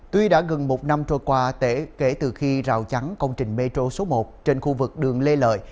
tuy đã gần một năm trôi qua kể từ khi rào chắn công trình metro số một trên khu vực đường lê lợi